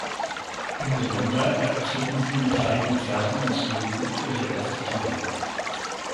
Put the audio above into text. Im November eröffneten sie mit drei Konzerten in Seoul ihre erste Tour.